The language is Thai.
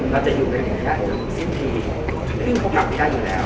เราจะอยู่กันอย่างแค่จนสิ้นทีซึ่งพวกกลับไม่ได้อยู่แล้ว